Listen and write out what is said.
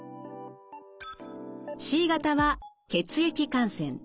Ｃ型は血液感染。